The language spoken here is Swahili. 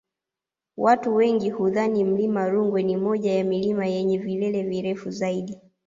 Watu wengi hudhani mlima Rungwe ni moja ya milima yenye vilele virefu zaidi